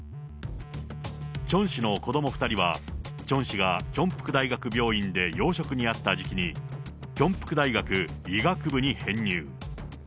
チョン氏の子ども２人は、チョン氏が慶北病院で要職にあった時期に、キョンプク大学医学部に編入。